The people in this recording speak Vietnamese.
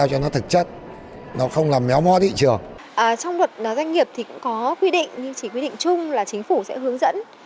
trong luật doanh nghiệp thì cũng có quy định nhưng chỉ quy định chung là chính phủ sẽ hướng dẫn